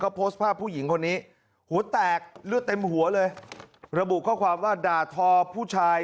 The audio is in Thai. โพสต์ภาพผู้หญิงคนนี้หัวแตกเลือดเต็มหัวเลยระบุข้อความว่าด่าทอผู้ชาย